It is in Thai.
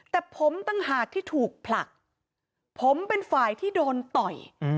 แต่ผมต่างหากที่ถูกผลักผมเป็นฝ่ายที่โดนต่อย